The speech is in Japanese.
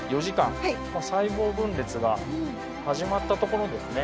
細胞分裂が始まったところですね。